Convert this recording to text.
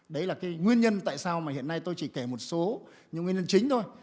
đấy là cái nguyên nhân tại sao mà hiện nay tôi chỉ kể một số những nguyên nhân chính thôi